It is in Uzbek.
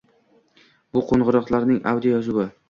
— Bu qoʻngʻiroqlarning audioyozuvi.